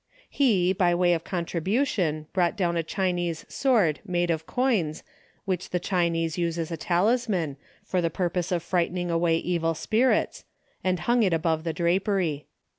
He, by way of contribution, brought down a Chinese sword made of coins which the Chinese use as a talisman, for the purpose of frightening away evil spirits, and hung it above the drapery.